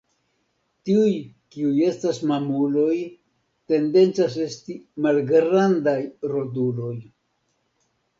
Tiuj kiuj estas mamuloj tendencas esti malgrandaj roduloj.